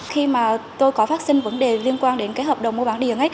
khi mà tôi có phát sinh vấn đề liên quan đến cái hợp đồng mua bán điện ấy